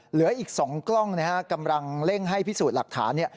เหลืออีก๒กล้องนะฮะกำลังเร่งให้พิสูจน์หลักฐานเนี่ย